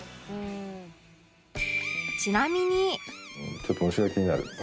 ちょっと虫が気になる。